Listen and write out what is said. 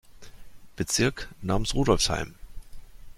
Bezirk namens Rudolfsheim.